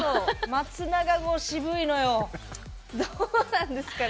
松永号も、渋いのよ。